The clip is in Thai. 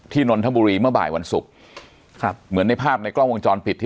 นนทบุรีเมื่อบ่ายวันศุกร์ครับเหมือนในภาพในกล้องวงจรปิดที่